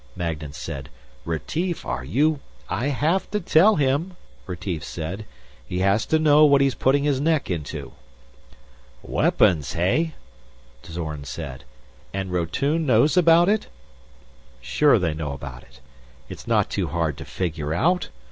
Magnan said. "Retief, are you " "I have to tell him," Retief said. "He has to know what he's putting his neck into." "Weapons, hey?" Zorn said. "And Rotune knows about it?" "Sure they know about it. It's not too hard to figure out.